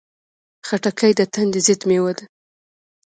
خټکی د تندې ضد مېوه ده.